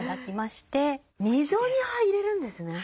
溝に入れるんですね。